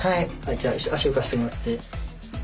じゃあ足浮かしてもらって。